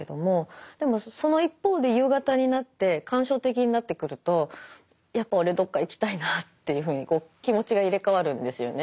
でもその一方で夕方になって感傷的になってくるとやっぱ俺どっか行きたいなというふうに気持ちが入れ代わるんですよね。